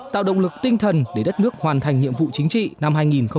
tạo động lực tinh thần để đất nước hoàn thành nhiệm vụ chính trị năm hai nghìn hai mươi